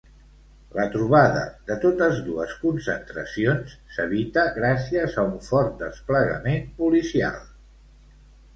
La trobada de totes dues concentracions s'evita gràcies a un fort desplegament policial.